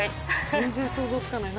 全然想像つかない。